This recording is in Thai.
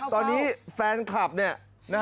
ตอนนี้แฟนคลับเนี่ย